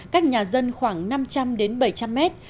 cách nhà dân khoảng năm trăm linh đến bảy trăm linh mét